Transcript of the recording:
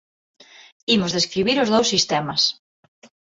Imos describir os dous sistemas.